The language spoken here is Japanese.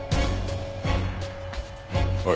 おい。